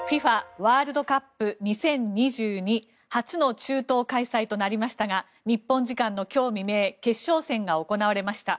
ワールドカップ２０２２初の中東開催となりましたが日本時間の今日未明決勝戦が行われました。